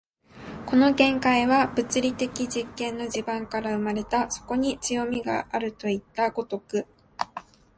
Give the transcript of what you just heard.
この見解は物理的実験の地盤から生まれた、そこに強味があるといった如く。